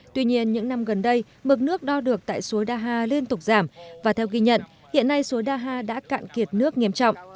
tuy nhiên những năm gần đây mực nước đo được tại suối đa hà liên tục giảm và theo ghi nhận hiện nay suối đa hà đã cạn kiệt nước nghiêm trọng